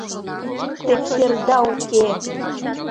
Тептерда уке!